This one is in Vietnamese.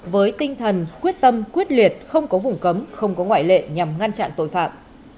với tinh thần quyết tâm quyết liệt không có vùng cấm không có ngoại lệ nhằm ngăn chặn tội phạm